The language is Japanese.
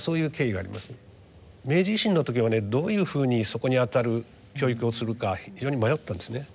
明治維新の時はねどういうふうにそこにあたる教育をするか非常に迷ったんですね。